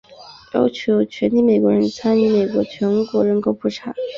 要求全体美国人参与美国全国人口普查。